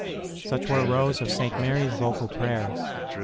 Such were Rose of St. Mary s vocal prayers.